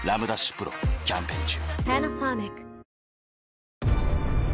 丕劭蓮キャンペーン中